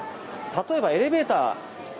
例えばエレベーター